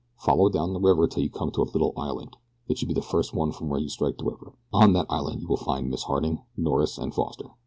Follow down the river till you come to a little island it should be the first one from where you strike the river. On that island you will find Miss Harding, Norris, and Foster.